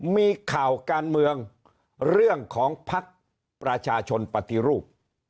มีข่าวการเมืองเรื่องของภักดิ์ประชาชนปฏิรูป